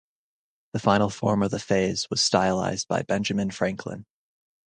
The final form of the phrase was stylized by Benjamin Franklin.